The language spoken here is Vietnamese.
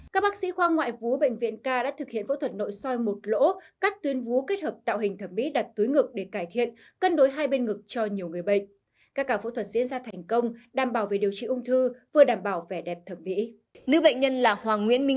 các bác sĩ khoa ngoại vú bệnh viện ca đã thực hiện phẫu thuật nội soi một lỗ cắt tuyến vú kết hợp tạo hình thẩm mỹ đặt túi ngực để cải thiện cân đối hai bên ngực cho nhiều người bệnh các cả phẫu thuật diễn ra thành công đảm bảo về điều trị ung thư vừa đảm bảo vẻ đẹp thẩm mỹ